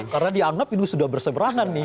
karena dianggap itu sudah berseberangan nih